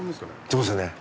そうですね。